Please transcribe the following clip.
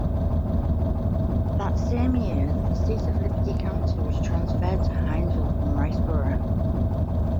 That same year, the seat of Liberty County was transferred to Hinesville from Riceboro.